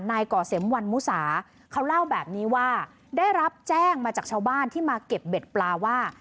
ก่อเสมวันมุสาเขาเล่าแบบนี้ว่าได้รับแจ้งมาจากชาวบ้านที่มาเก็บเบ็ดปลาว่า